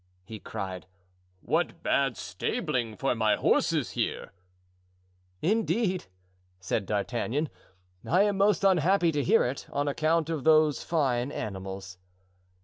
he cried, "what bad stabling for my horses here." "Indeed!" said D'Artagnan; "I am most unhappy to hear it, on account of those fine animals."